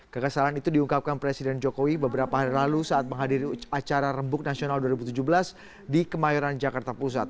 kekesalan itu diungkapkan presiden jokowi beberapa hari lalu saat menghadiri acara rembuk nasional dua ribu tujuh belas di kemayoran jakarta pusat